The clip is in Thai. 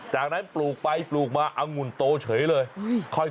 จากนั้นปลูกไปปลูกมาองุ่นโตเฉยเลย